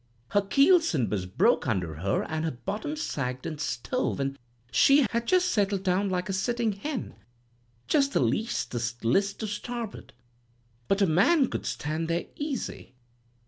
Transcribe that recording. Her keelson was broke under her and her bottom sagged and stove, and she had just settled down like a sitting hen—just the leastest list to starboard; but a man could stand there easy.